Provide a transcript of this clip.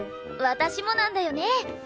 私もなんだよね。